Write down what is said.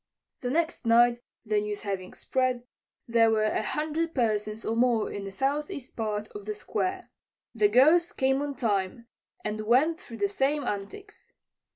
The next night, the news having spread, there were a hundred persons or more in the southeast part of the Square. The Ghost came on time and went through the same antics.